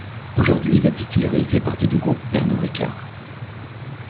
Aujourd'hui la distillerie fait partie du groupe Pernod Ricard.